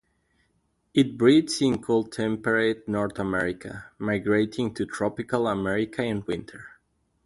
It breeds in cool-temperate North America, migrating to tropical America in winter.